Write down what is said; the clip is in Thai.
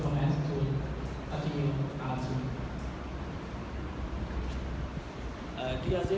หวังว่าคุณจะชีพสรุปรับได้